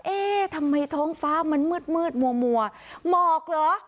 เอ๊ะทำไมท้องฟ้ามันมืดมืดมัวหมอกเหรอ